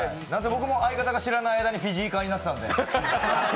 僕も相方が知らない間にフィジーカーになってたんで。